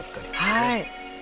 はい。